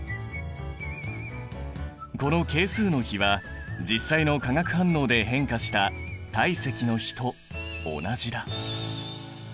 この係数の比は実際の化学反応で変化した体積の比と同じだ。